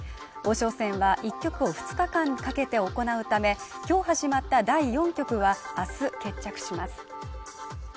王将戦は１局を２日間かけて行うためきょう始まった第４局はあす決着します